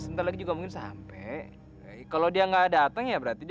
sebentar lagi juga mungkin sampai kalau dia nggak datang ya berarti dia